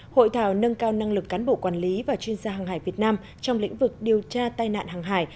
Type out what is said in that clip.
hội thảo nâng cao năng lực cán bộ quản lý và chuyên gia hàng hải việt nam trong lĩnh vực điều tra tai nạn hàng hải